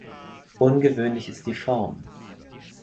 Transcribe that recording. Ungewöhnlich ist die Form.